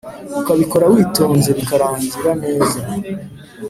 Ukabikora witonze bikarangira neza